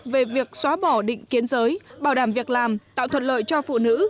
về việc xóa bỏ định kiến giới bảo đảm việc làm tạo thuận lợi cho phụ nữ